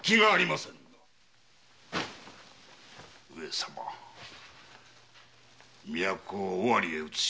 上様都を尾張へ移しませぬか。